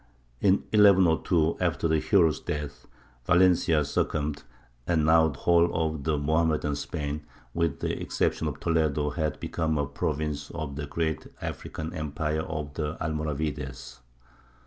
In 1102, after the hero's death, Valencia succumbed, and now the whole of Mohammedan Spain, with the exception of Toledo, had become a province of the great African empire of the Almoravides.